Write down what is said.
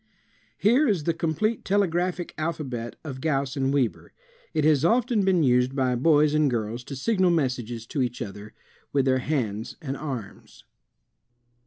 Here is the complete telegraphic alphabet of Gauss and Weber. It has often been used by boys and girls, to signal messages to each other, with their hands and arms.